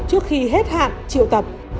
trước khi hết hạn triệu tập